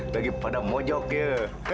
bagi pada mojoknya